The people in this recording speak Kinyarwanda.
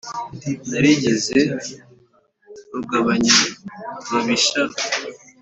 narigize rugabanyababisha